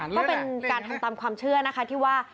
ก็เป็นการทำตามความเชื่อนะคะที่ว่า